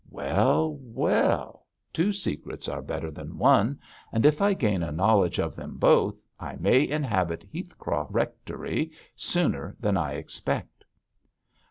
Well! well! two secrets are better than one, and if I gain a knowledge of them both, I may inhabit Heathcroft Rectory sooner than I expect.'